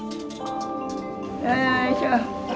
よいしょ！